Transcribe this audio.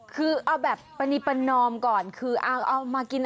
คือเอาแบบปนิปนอมก่อนคือเอามากินอาหารที่ชอบ